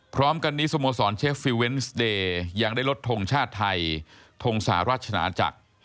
พร้อมกันนี้สโมสรเชฟฟิลเวนส์เดย์ยังได้ลดทงชาติไทยทงสหราชนาจักร